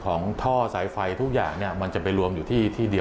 ของท่อสายไฟทุกอย่างจะไปลวมอยู่ที่ดี